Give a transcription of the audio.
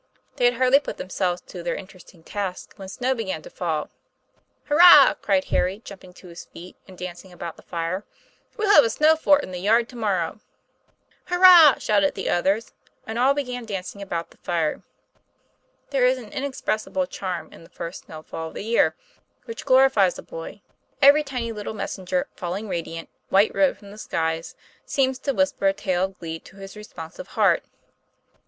They had hardly put themselves to their interesting task, when snow began to fall. 'Hurrah!" cried Harry, jumping to his feet, and dancing about the fire, "we'll have a snow fort in the yard to morrow." "Hurrah!" shouted the others, and all began dancing about the fire. There is an inexpressible charm in the first snowfall of the year, which glori fies a boy; every tiny little messenger falling radi ant, white robed from the skies seems to whisper a tale of glee to his responsive heart.